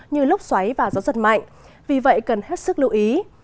như lốc xoáy và gió giật mạnh vì vậy cần hết sức lưu ý